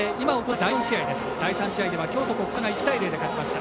第３試合では京都国際が１対０で勝ちました。